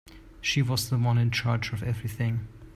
She was the one in charge of everything.